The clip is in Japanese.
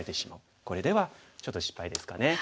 これではちょっと失敗ですかね。